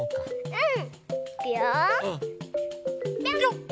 うん？